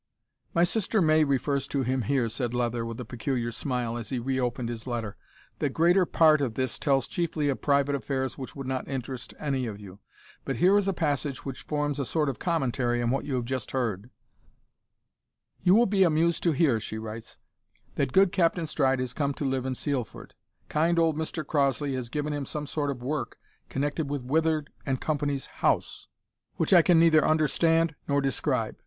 "My sister May refers to him here," said Leather, with a peculiar smile, as he re opened his letter. "The greater part of this tells chiefly of private affairs which would not interest any of you, but here is a passage which forms a sort of commentary on what you have just heard: "`You will be amused to hear,' she writes, `that good Captain Stride has come to live in Sealford. Kind old Mr Crossley has given him some sort of work connected with Withers and Company's house which I can neither understand nor describe.